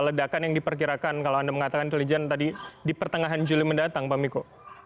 ledakan yang diperkirakan kalau anda mengatakan intelijen tadi di pertengahan juli mendatang pak miko